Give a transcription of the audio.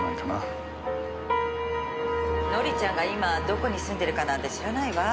紀ちゃんが今どこに住んでるかなんて知らないわ。